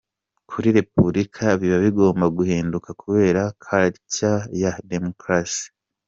Kuri Republika biba bigomba guhinduka kubera Culture ya Democratie.